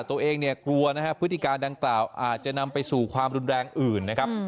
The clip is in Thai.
ตัวเองเนี่ยกลัวนะฮะพฤติการดังกล่าวอาจจะนำไปสู่ความรุนแรงอื่นนะครับ